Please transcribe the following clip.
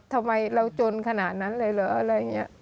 ทำไมเราจนขนาดนั้นเลยเหรออะไรอย่างนี้